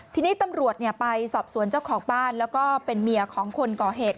ทีนี้ตำรวจไปสอบสวนเจ้าของบ้านแล้วก็เป็นเมียของคนก่อเหตุ